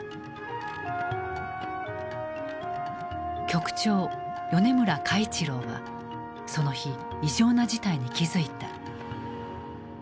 局長・米村嘉一郎はその日異常な事態に気付いた。